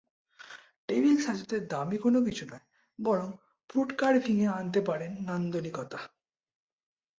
Table সাজাতে দামি কোনো কিছু নয়, বরং ফ্রুট কার্ভিংয়ে আনতে পারেন নান্দনিকতা।